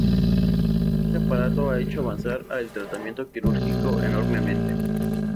Este aparato ha hecho avanzar a el tratamiento quirúrgico enormemente.